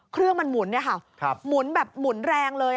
เครื่องมันหมุนหมุนแรงเลย